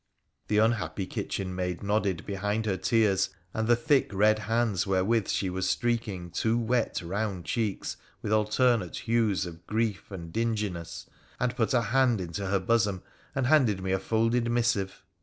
The unhappy kitchenmaid nodded behind her tears and the thick red hands wherewith she was streaking two wet, round cheeks with alternate hues of grief and dinginess, and put a hand into her bosom and'handed me a folded missive.